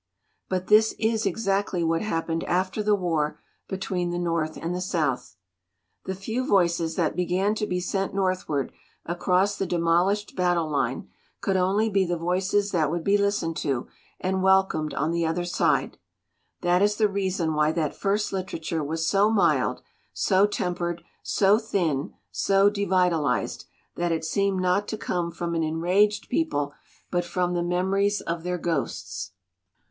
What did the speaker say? "But this is exactly what happened after the war between the North and the South. 96 DETERIORATION "The few voices that began to be sent north ward across the demolished battle line could only be the voices that would be listened to and wel comed on the other side. That is the reason why that first literature was so mild, so tempered, so thin, so devitalized, that it seemed not to come from an enraged people, but from the memories of their ghosts.